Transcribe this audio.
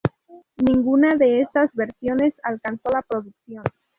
Ninguna de estas versiones alcanzó la producción.